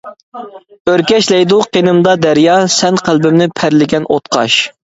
ئۆركەشلەيدۇ قېنىمدا دەريا، سەن قەلبىمنى پەرلىگەن ئوتقاش.